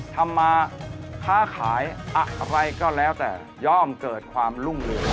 ทำมาค้าขายอะไรก็แล้วแต่ย่อมเกิดความรุ่งเรือง